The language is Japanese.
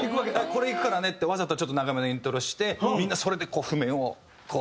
これいくからねってわざとちょっと長めのイントロしてみんなそれで譜面をこうずらして。